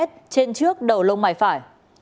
trên trước đầu lông mày phải